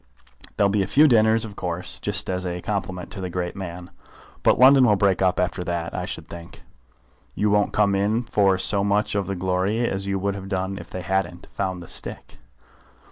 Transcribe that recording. There'll be a few dinners of course, just as a compliment to the great man, but London will break up after that, I should think. You won't come in for so much of the glory as you would have done if they hadn't found the stick.